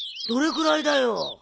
どれくらいだよ？